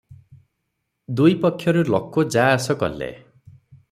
ଦୁଇପକ୍ଷରୁ ଲୋକ ଯା ଆସ କଲେ ।